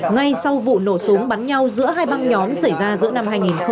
ngay sau vụ nổ súng bắn nhau giữa hai băng nhóm xảy ra giữa năm hai nghìn một mươi ba